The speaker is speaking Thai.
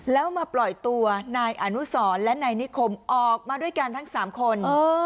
แล้วมาปล่อยตัวนายอนุสรและนายนิคมออกมาด้วยกันทั้ง๓คน